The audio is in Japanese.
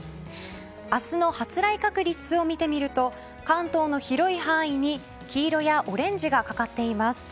明日の発雷確率を見てみると関東の広い範囲に黄色やオレンジがかかっています。